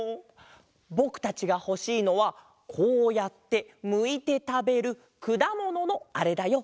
ぼくたちがほしいのはこうやってむいてたべるくだもののあれだよ。